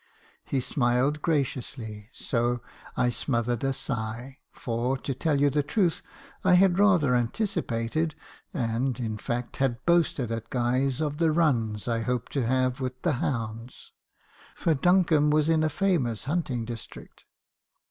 He smiled graciously , so I smothered a sigh; for, to tell you the truth, I had rather anticipated — and, in fact, had boasted at Guy's of the runs I hoped to have with the hounds; forDuncombe was in a famous hunting district.